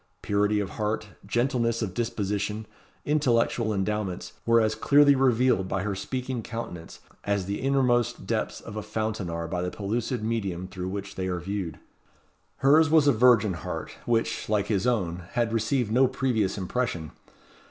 Purity of heart, gentleness of disposition, intellectual endowments, were as clearly revealed by her speaking countenance as the innermost depths of a fountain are by the pellucid medium through which they are viewed. Hers was a virgin heart, which, like his own, had received no previous impression.